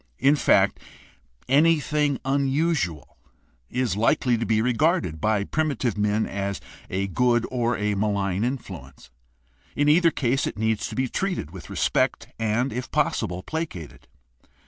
In fact, anything unusual is likely to be regarded by primitive men as a good or a malign influence. In either case it needs to be treated with respect and, if possible, placated.